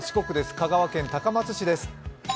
香川県高松市です。